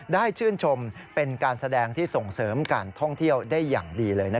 ชื่นชมเป็นการแสดงที่ส่งเสริมการท่องเที่ยวได้อย่างดีเลย